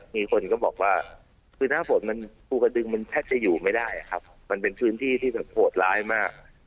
มีคนก็บอกว่าคือหน้าฝนมันภูกระดึงมันแทบจะอยู่ไม่ได้ครับมันเป็นพื้นที่ที่แบบโหดร้ายมาก